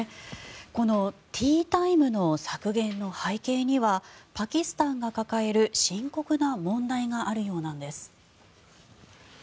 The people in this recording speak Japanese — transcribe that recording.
このティータイムの削減の背景にはパキスタンが抱える深刻な問題があるそうなんです。